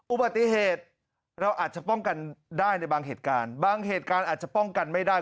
อุบัติเหตุเราอาจจะป้องกันได้ในบางเหตุการณ์บางเหตุการณ์อาจจะป้องกันไม่ได้